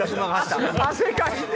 汗かいて。